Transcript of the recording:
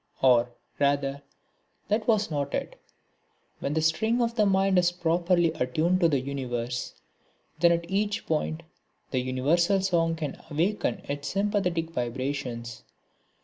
Or, rather, that was not it. When the string of the mind is properly attuned to the universe then at each point the universal song can awaken its sympathetic vibrations.